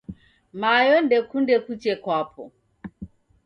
Mayo ndekunde kuche kwapo.